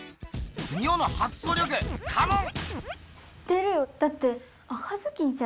ミオの発想力カモン！